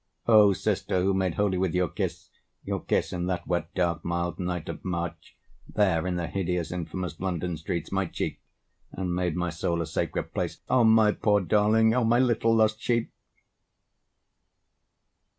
O sister who made holy with your kiss, Your kiss in that wet dark mild night of March There in the hideous infamous London streets My cheek, and made my soul a sacred place, O my poor darling, O my little lost sheep!